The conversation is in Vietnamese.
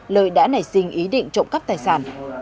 lợi đã nảy sinh ý định trộm cắp tài sản